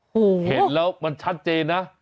โอ้โหเห็นแล้วมันชัดเจนนะ